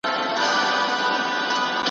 نه یوه ګوله مړۍ کړه چا وروړاندي `